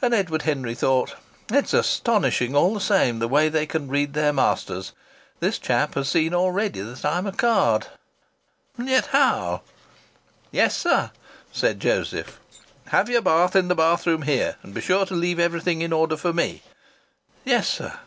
And Edward Henry thought: "It's astonishing, all the same, the way they can read their masters. This chap has seen already that I'm a card. And yet how?" "Yes, sir," said Joseph. "Have your bath in the bathroom here. And be sure to leave everything in order for me." "Yes, sir."